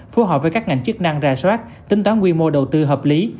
phù hợp với các ngành chức năng ra soát tính toán quy mô đầu tư hợp lý